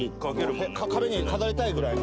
壁に飾りたいぐらいの。